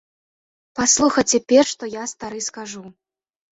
Паслухайце перш, што я стары скажу.